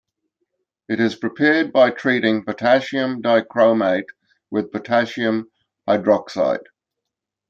It is prepared by treating potassium dichromate with potassium hydroxide.